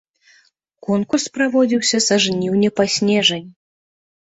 Конкурс праводзіўся са жніўня па снежань.